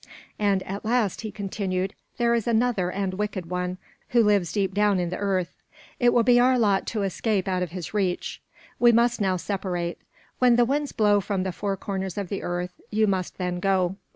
And last," he continued, "there is another and wicked one who lives deep down in the earth. It will be our lot to escape out of his reach. We must now separate. When the winds blow from the four corners of the earth, you must then go.